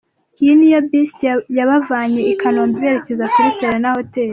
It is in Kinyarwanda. Iyi niyo bus yabavanye i Kanombe iberekeza kuri Serena hotel.